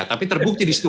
tapi terbukti di situ